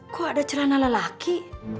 kok ada celana lelaki